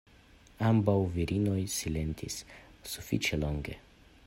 Ambaŭ virinoj silentis sufiĉe longe.